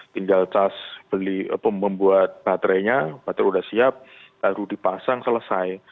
tinggal membuat baterainya baterai sudah siap lalu dipasang selesai